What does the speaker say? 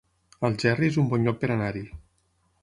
Algerri es un bon lloc per anar-hi